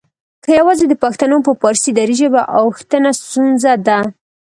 که یواځې د پښتنو په فارسي دري ژبې اوښتنه ستونزه ده؟